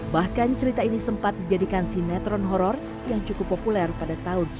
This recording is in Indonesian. bahkan cerita ini sempat dijadikan sinetron horror yang cukup populer pada tahun sembilan puluh an